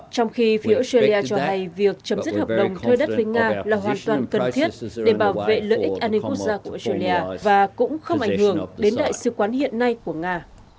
trong khi phía australia cho hay việc chấm dứt hợp đồng thuê đất với nga là hoàn toàn cần thiết để bảo vệ lợi ích an ninh quốc gia của australia và cũng không ảnh hưởng đến đại sứ quán hiện nay của nga